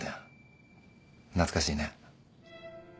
懐かしいね。